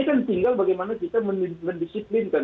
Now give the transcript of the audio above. ini kan tinggal bagaimana kita mendisiplinkan